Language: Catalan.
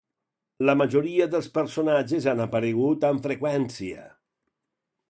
La majoria dels personatges han aparegut amb freqüència.